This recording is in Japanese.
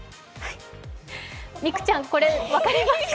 美空ちゃん、これ分かりますか？